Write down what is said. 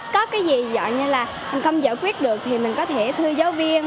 có cái gì dọn như là không giải quyết được thì mình có thể thư giáo viên